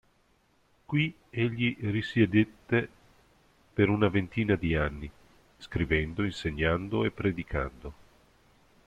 Qui egli risiedette per una ventina di anni, scrivendo, insegnando e predicando.